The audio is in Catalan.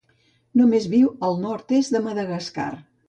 Només viu al nord-est de Madagascar.